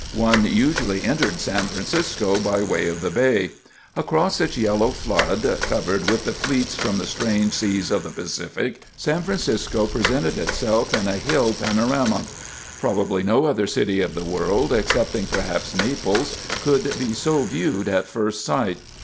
One usually entered San Francisco by way of the Bay. Across its yellow flood, covered with the fleets from the strange seas of the Pacific, San Francisco presented itself in a hill panorama. Probably no other city of the world, excepting perhaps Naples, could be so viewed at first sight.